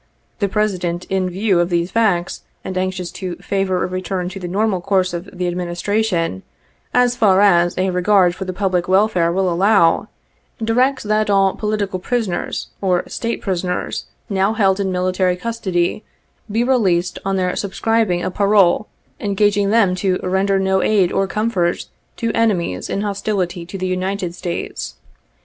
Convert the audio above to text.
The President in view of these facts, and anxious to favor a return to the normal course of the administration, as far as a regard for the public welfare will allow, directs that all political prisoners or State prisoners now held in military custody be released on their subscribing a parole engaging them to render no aid or com 74 fort to enemies in hostility to the United States.